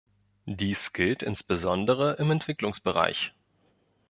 Dies gilt insbesondere im Entwicklungsbereich.